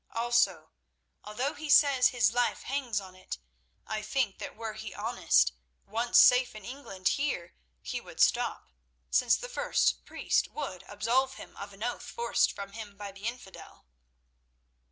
Also, though he says his life hangs on it, I think that were he honest, once safe in England here he would stop, since the first priest would absolve him of an oath forced from him by the infidel."